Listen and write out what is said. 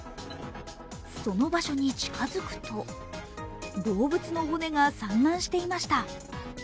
その場所に近づくと、動物の骨が散乱していました。